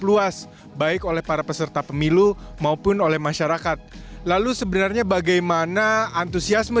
luas baik oleh para peserta pemilu maupun oleh masyarakat lalu sebenarnya bagaimana antusiasme